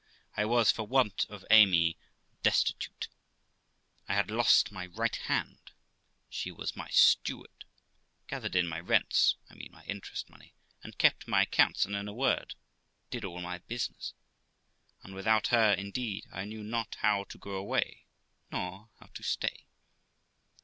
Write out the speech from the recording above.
I was, for want of Amy, destitute; I had lost my right hand; she was my steward, gathered in my rents (I mean my interest money) and kept my accounts, and, in a word, did all my business; and without her, indeed, I knew not how to go away nor how to stay.